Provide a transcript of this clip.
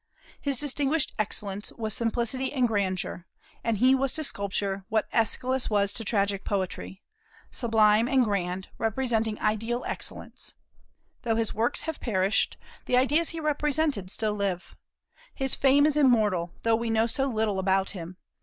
His distinguished excellence was simplicity and grandeur; and he was to sculpture what Aeschylus was to tragic poetry, sublime and grand, representing ideal excellence, Though his works have perished, the ideas he represented still live. His fame is immortal, though we know so little about him.